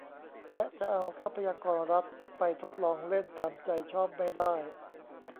และจะเอาทรัพยากรรัฐไปทดลองเล่นตามใจชอบไม่ได้